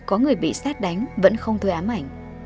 có người bị xét đánh vẫn không thuê ám ảnh